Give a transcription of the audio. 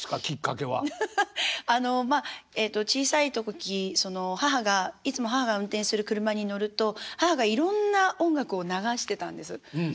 あのまあえっと小さい時いつも母が運転する車に乗ると母がいろんな音楽を流してたんです。